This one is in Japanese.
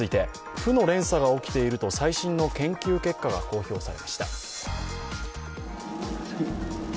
負の連鎖が起きていると最新の研究結果が公表されました。